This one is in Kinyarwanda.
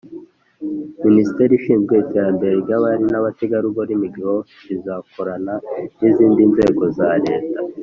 minisiteri ishinzwe iterambere ry'abari n'abategarugori (migeprofe) izakorana n'izindi nzego za leta